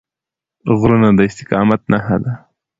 غرونه د استقامت نښه ده.